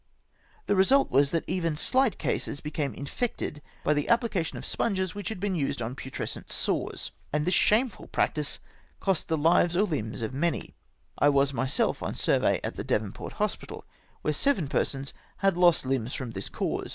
The result was that even shght cases became infected by the application of sponges which had been used on putrescent sores, and this shameful practice cost the hves or hmbs of many. I was mj^self on a survey at the Devonport hospital, where seven persons had lost limbs from this cause